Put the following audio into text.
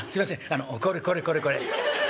あのこれこれこれこれ」。